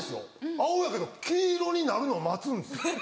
青やけど黄色になるのを待つんです。